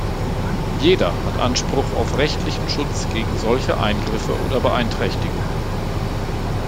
Jeder hat Anspruch auf rechtlichen Schutz gegen solche Eingriffe oder Beeinträchtigungen.